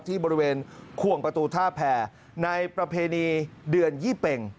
ที่บริเวณขวงประตูท่าแผ่ในประเพณีเดือนยี่เป่ง